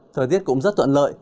thời tiết cũng rất tuận lợi